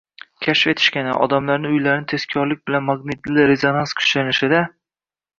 kashf etishgani, odamlarni uylarini tezkorlik bilan magnitli-rezonans kuchlanishda